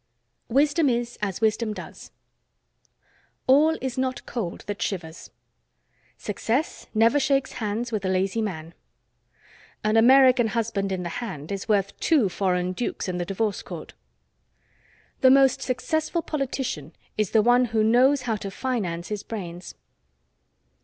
WISDOM IS AS WISDOM DOES. All is not cold that shivers. Success never shakes hands with a lazy man. An American husband in the hand is worth two foreign Dukes in the divorce court. The most successful politician is the one who knows how to finance his brains.